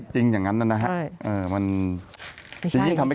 ช่วงหน้าวงไนเผยกว่าอะไร